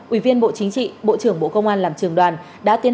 ủy viên bộ chính trị bộ trưởng bộ công an làm trường đoàn